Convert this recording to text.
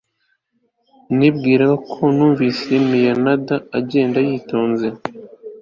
nibwiraga ko numvise maenad agenda yitonze